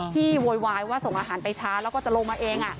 โวยวายว่าส่งอาหารไปช้าแล้วก็จะลงมาเอง